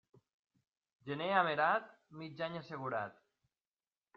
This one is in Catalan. Gener amerat, mig any assegurat.